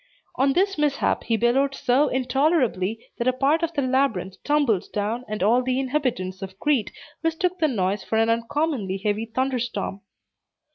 On this mishap, he bellowed so intolerably that a part of the labyrinth tumbled down, and all the inhabitants of Crete mistook the noise for an uncommonly heavy thunder storm.